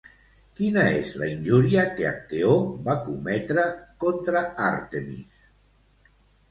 Quina és la injúria que Acteó va cometre contra Àrtemis?